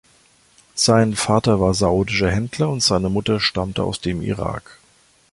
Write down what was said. Sein Vater war saudischer Händler und seine Mutter stammte aus dem Irak.